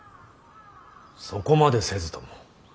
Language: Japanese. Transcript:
そこまでせずとも。